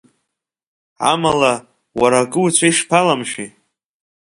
Амала, уара акы уцәа ишԥаламшәеи?!